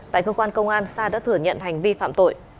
tại cơ quan công an sa đã thừa nhận hành vi phạm tội